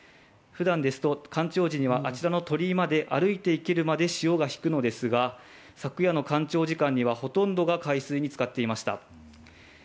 普段ですと、干潮時にはあちらの鳥居まで歩いて行けるまで潮が引くのですが、昨夜の干潮時間にはほとんどが海水につかっていました。